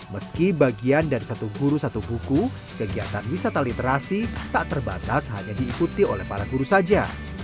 meski bagian dari satu guru satu buku kegiatan wisata literasi tak terbatas hanya diikuti oleh para guru saja